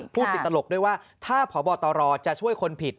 พูดติดตลกด้วยว่าถ้าพบตรจะช่วยคนผิด